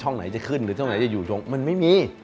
ไหนจะขึ้นหรือช่องไหนจะอยู่ตรงมันไม่มี